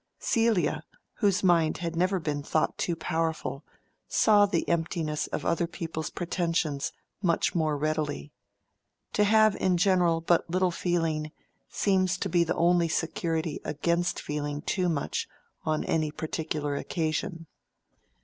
Celia, whose mind had never been thought too powerful, saw the emptiness of other people's pretensions much more readily. To have in general but little feeling, seems to be the only security against feeling too much on any particular occasion.